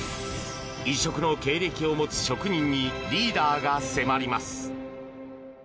異色の経歴を持つ職人にリーダーが迫ります。